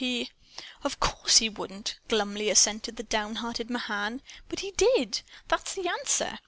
He " "Of course he wouldn't," glumly assented the downhearted Mahan. "But he DID. That's the answer.